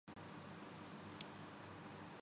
Lahore Islamabad motorway بنتی ہے۔